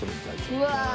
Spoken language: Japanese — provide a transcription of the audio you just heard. うわ！